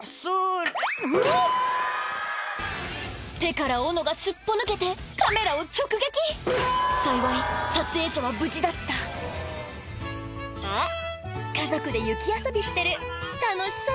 手からオノがすっぽ抜けてカメラを直撃幸い撮影者は無事だったあっ家族で雪遊びしてる楽しそう！